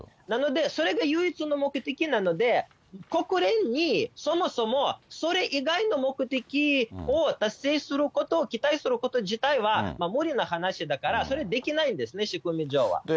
なので、それが唯一の目的なので、国連にそもそも、それ以外の目的を達成することを期待すること自体は、無理な話だから、それ、できないんですね、仕組み上は。